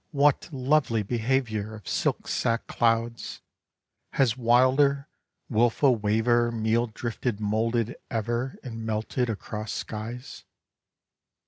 what lovely behaviour Of silk sack clouds! has wilder, wilful wavier Meal drift moulded ever and melted across skies?